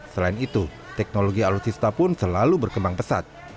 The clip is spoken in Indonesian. selain itu teknologi alutsista pun selalu berkembang pesat